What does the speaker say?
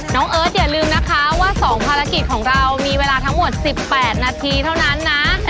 เอิร์ทอย่าลืมนะคะว่า๒ภารกิจของเรามีเวลาทั้งหมด๑๘นาทีเท่านั้นนะ